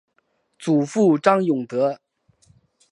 祖父张永德。